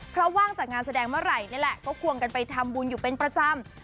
เพราะว่างจากงานแสดงเมื่อไหร่นี่แหละก็ควงกันไปทำบุญอยู่เป็นประจำ